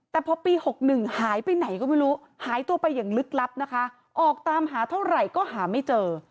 แต่พอปี๖๑หายไปไหนก็ไม่รู้หายตัวไปอย่างลึกลับนะคะออกตามหาเท่าไหร่ก็หาไม่เจอ